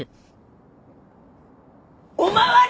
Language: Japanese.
お巡り！